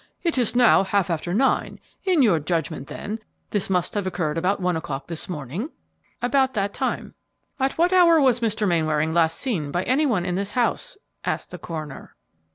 "It is now half after nine; in your judgment, then, this must have occurred about one o'clock this morning?" "About that time." "At what hour was Mr. Mainwaring last seen by any one in this house?" asked the coroner.